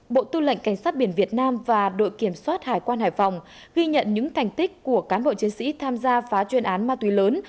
bộ tư lệnh cảnh sát biển việt nam và đội kiểm soát hải quan hải phòng ghi nhận những thành tích của cán bộ chiến sĩ tham gia phá chuyên án ma túy lớn